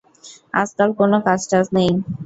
আজকাল কোনো কাজ-টাজ নাই।